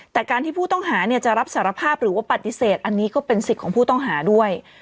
แต่การที่ผู้ต้องหาจะรับสารภาพหรือว่าปฏิเสธอันนี้ก็เป็นสิทธิ์ของผู้ต้องหาด้วย